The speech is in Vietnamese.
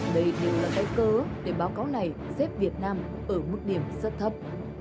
đây đều là cái cơ để báo cáo này xếp việt nam ở mức điểm rất thấp